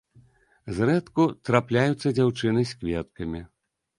Зрэдку трапляюцца дзяўчыны з кветкамі.